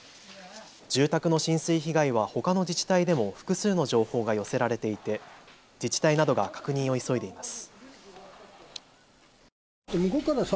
住宅の浸水被害はほかの自治体でも複数の情報が寄せられていて自治体などが確認を急いでいます。